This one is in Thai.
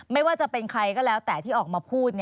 ไม่ว่าจะเป็นใครก็แล้วแต่ที่ออกมาพูด